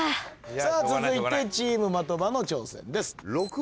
続いてチーム的場の挑戦です。